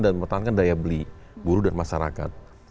dan menangkan daya beli buruh dan masyarakat